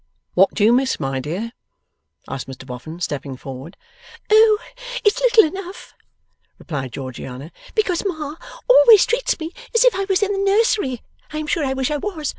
'What do you miss, my dear?' asked Mr Boffin, stepping forward. 'Oh! it's little enough,' replied Georgiana, 'because Ma always treats me as if I was in the nursery (I am sure I wish I was!)